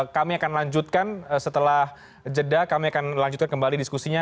kami akan lanjutkan setelah jeda kami akan lanjutkan kembali diskusinya